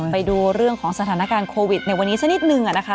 ไปดูเรื่องของสถานการณ์โควิดในวันนี้สักนิดนึงนะคะ